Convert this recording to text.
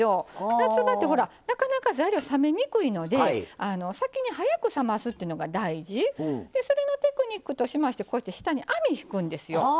夏場って、なかなか材料が冷めにくいので先に早く冷ますっていうのが大事でそれのテクニックとしまして下に網を引くんですよ。